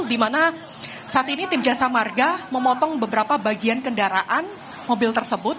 di mana saat ini tim jasa marga memotong beberapa bagian kendaraan mobil tersebut